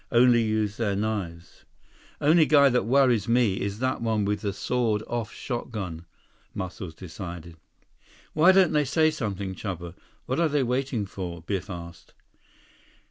Only use their knives." "Only guy that worries me is that one with the sawed off shotgun," Muscles decided. "Why don't they say something, Chuba? What are they waiting for?" Biff asked.